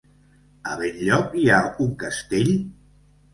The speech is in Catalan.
A Benlloc hi ha un castell?